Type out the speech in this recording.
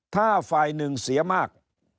ถ้าฝ่ายหนึ่งเสียมาก